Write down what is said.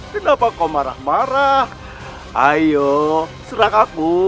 kenapa kau marah marah ayo serang aku